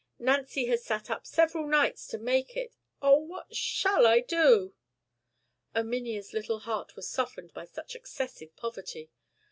Nancy has sat up several nights to make it. Oh! what shall I do?" Erminia's little heart was softened by such excessive poverty.